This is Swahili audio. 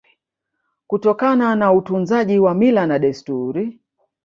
Kutokana na utunzaji wa mila na desturi